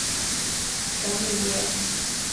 舍米耶。